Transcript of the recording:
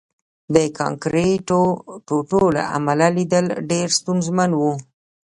د کانکریټو ټوټو له امله لیدل ډېر ستونزمن وو